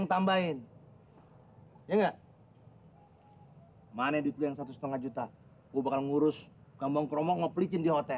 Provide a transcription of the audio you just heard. hai enggak enggak ke mana di plang satu setengah juta gua akan ngurus gambang christian home